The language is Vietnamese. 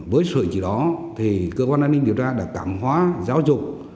với sự chỉ đó thì cơ quan an ninh điều tra đã cảm hóa giáo dục